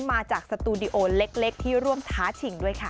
มาจากสตูดิโอเล็กที่ร่วมท้าชิงด้วยค่ะ